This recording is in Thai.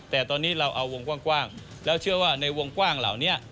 แต่ตอนนี้เราเอาวงกว้างแล้วเชื่อว่าในวงกว้างเหล่านี้